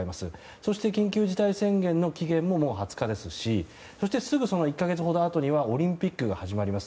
そして緊急事態宣言の期限も２０日ですしそして、すぐその１か月あとにオリンピックが始まります。